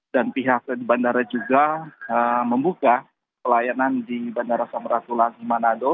dan pihak bandara juga membuka pelayanan di bandara samratulagi manado